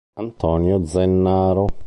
Antonio Zennaro